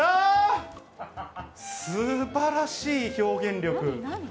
すばらしい表現力。